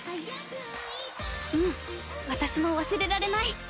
うん私も忘れられない！